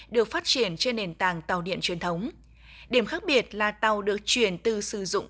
được phát triển trên nền tảng tàu điện truyền thống điểm khác biệt là tàu được chuyển từ sử dụng